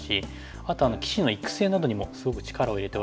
あと棋士の育成などにもすごく力を入れておられて。